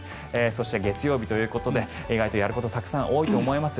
そして、月曜日ということで意外とやることがたくさんあると思います。